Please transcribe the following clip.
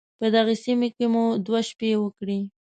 په دغې سيمې کې مو دوه شپې وکړې.